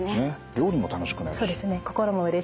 料理も楽しくなるし。